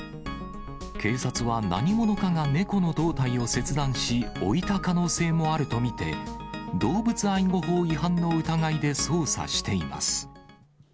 警察は何者かが猫の胴体を切断し、置いた可能性もあると見て、動物愛護法違反の疑いで捜査しています。